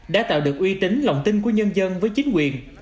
đã tạo được uy tín lòng tin của nhân dân với chính quyền